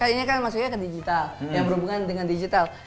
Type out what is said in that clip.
ini kan masuknya ke digital yang berhubungan dengan digital